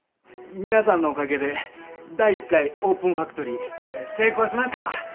皆さんのおかげで第１回オープンファクトリー成功しました！